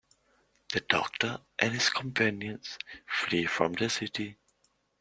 The Doctor and his companions flee from the city.